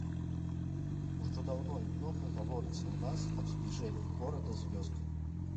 Ужо даўно і многа гаворыцца ў нас аб збліжэнні горада з вёскай.